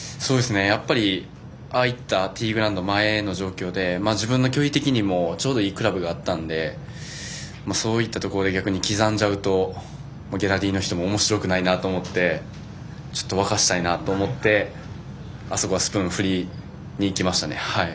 やっぱり、ああいったティーグラウンド前の状況で自分の距離的にもちょうどいいクラブがあったのでそういったところで逆に刻んじゃうとギャラリーの人もおもしろくないなと思ってちょっと沸かせたいなと思ってあそこはスプーン振りにいきました。